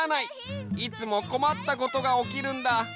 いつもこまったことがおきるんだ。